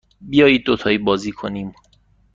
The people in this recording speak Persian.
بیایید دوتایی بازی کنیم.